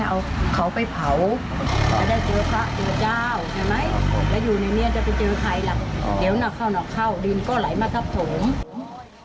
เดี๋ยวหนักเข้าหนักเข้าดินก็ไหลมาครับผม